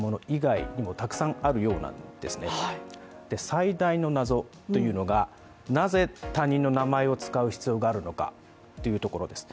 最大の謎というのが、なぜ他人の名前を使う必要があるのかというところです